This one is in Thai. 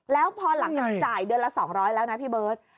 แล้วพอหลังจากจ่ายเดือนละ๒๐๐แล้วนะพี่เบิร์ต